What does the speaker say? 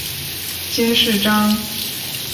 金饰章。